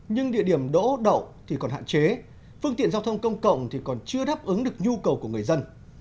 nhưng địa điểm đỗ đậu thì còn hạn chế phương tiện giao thông công cộng thì còn chưa đáp ứng được nhu cầu của người dân